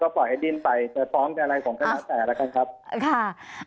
แล้วก็ปล่อยให้ดิ้นไปเจอท้องอะไรของขนาดแต่ละกันครับ